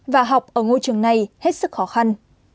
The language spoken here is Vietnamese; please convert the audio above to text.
và học ở ngôi trường này hết sức khó khăn